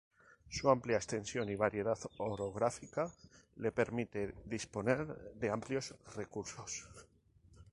Su amplia extensión y variedad orográfica le permite disponer de amplios recursos.